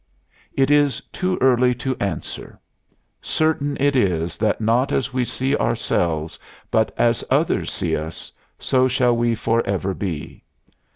It is too early to answer; certain it is that not as we see ourselves but as others see us, so shall we forever be.